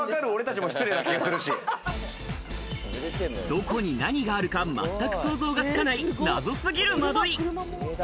どこに何があるか全く想像がつかない謎すぎる間取り。